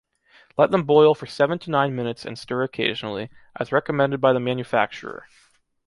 Let them boil for seven to nine minutes and stir occasionally, as recommended by the manufacturer.